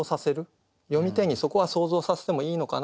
読み手にそこは想像させてもいいのかなと。